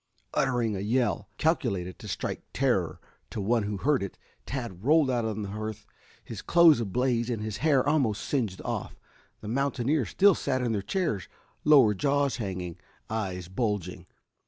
Uttering a yell, calculated to strike terror to one who heard it, Tad rolled out on the hearth, his clothes ablaze and his hair almost singed off. The mountaineers still sat in their chairs, lower jaws hanging, eyes bulging.